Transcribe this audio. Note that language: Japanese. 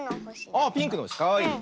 あっピンクのほしかわいいね。